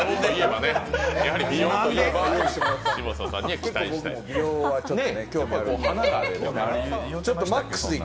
やはり美容といえば嶋佐さんには期待したい。